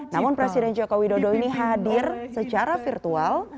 namun presiden joko widodo ini hadir secara virtual